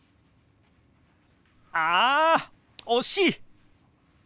あ惜しい！